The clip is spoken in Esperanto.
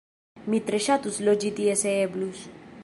Mi tre ŝatus loĝi tie se eblus